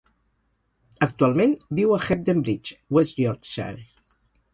Actualment viu a Hebden Bridge, West Yorkshire.